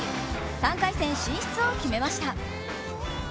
３回戦進出を決めました。